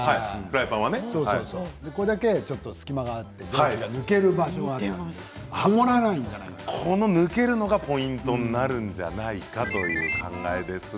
これだけちょっと隙間があって抜けるバージョンがあって抜けるのがポイントになるんじゃないかという考えですね。